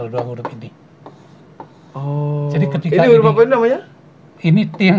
ini berapa ini namanya